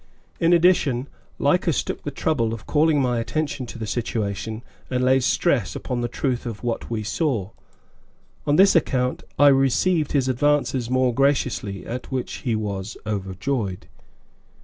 In addition, Lycas took the trouble of calling my attention to the situation, and laid stress upon the truth of what we saw. On this account, I received his advances more graciously, at which he was overjoyed.